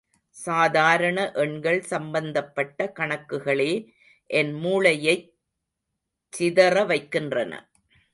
சாதாரண எண்கள் சம்பந்தப்பட்ட கணக்குகளே என் மூளையைச் சிதற வைக்கின்றன.